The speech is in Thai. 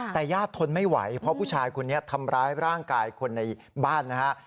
แต่ญาติทนไม่ไหวเพราะผู้ชายคนนี้ทำร้ายร่างกายคนในบ้านนะฮะ